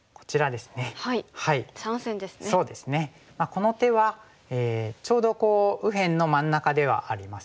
この手はちょうど右辺の真ん中ではありますよね。